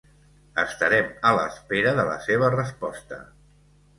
Estarem a l'espera de la seva resposta.